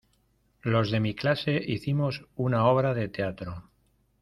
los de mi clase hicimos una obra de teatro.